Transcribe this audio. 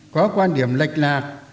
có quan điểm lệch lạc